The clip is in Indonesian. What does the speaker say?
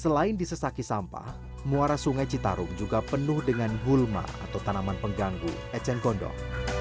selain disesaki sampah muara sungai citarum juga penuh dengan gulma atau tanaman pengganggu eceng gondok